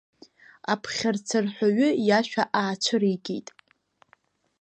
Аԥхьарцарҳәаҩы иашәа аацәыригеит.